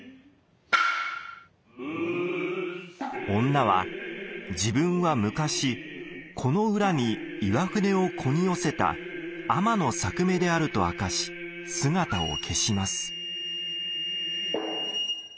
女は自分は昔この浦に岩船をこぎ寄せた天探女であると明かし姿を消します。